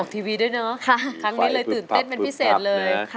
ทีวีด้วยเนอะค่ะครั้งนี้เลยตื่นเต้นเป็นพิเศษเลย